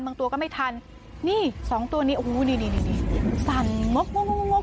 บางตัวก็ไม่ทันนี่สองตัวนี้โอ้โหนี่นี่นี่นี่นี่สั่นงกงกงก